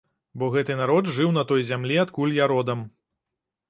Бо гэты народ жыў на той зямлі, адкуль я родам.